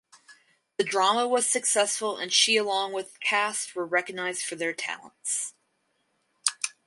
The drama was successful and she along with cast were recognized for their talents.